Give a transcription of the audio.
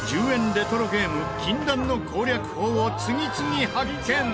レトロゲーム禁断の攻略法を次々発見！